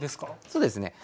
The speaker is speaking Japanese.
そうですね。